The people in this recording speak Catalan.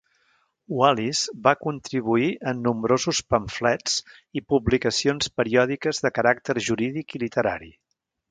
Wallis va contribuir en nombrosos pamflets i publicacions periòdiques de caràcter jurídic i literari.